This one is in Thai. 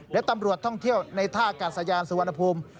และตำรวจท่องเที่ยวในท่ากาศยานสุวรรณภูมิ